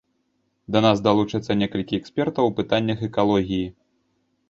Да нас далучацца некалькі экспертаў у пытаннях экалогіі.